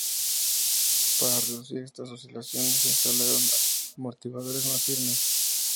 Para reducir estas oscilaciones se instalaron amortiguadores más firmes.